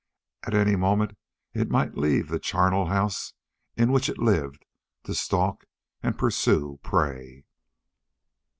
At any moment it might leave the charnel house in which it lived to stalk and pursue prey.